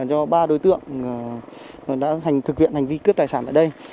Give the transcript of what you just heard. do ba đối tượng đã thực hiện hành vi cướp tài sản tại đây